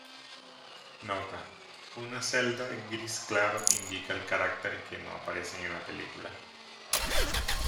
Nota: Una celda gris claro indica el carácter que no aparecen en la película.